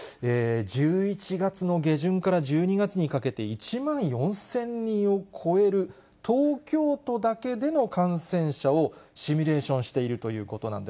１１月の下旬から１２月にかけて１万４０００人を超える、東京都だけでの感染者をシミュレーションしているということなんです。